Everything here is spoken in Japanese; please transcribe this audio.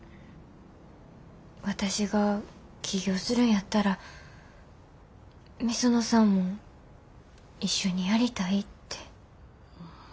私が起業するんやったら御園さんも一緒にやりたいって。